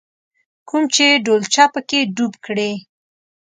کوم چې ډولچه په کې ډوب کړې.